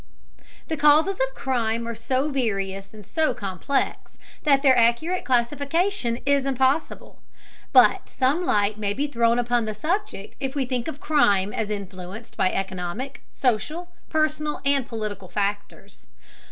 The causes of crime are so various and so complex that their accurate classification is impossible. But some light may be thrown upon the subject if we think of crime as influenced by economic, social, personal, and political factors.